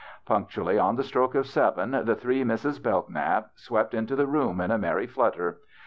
Punctually on the stroke of seven, the three Misses Bellknap swept into the room in a merry flutter.